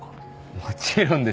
もちろんです！